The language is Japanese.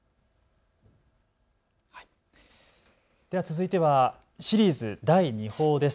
では続いてはシリーズ、第二報です。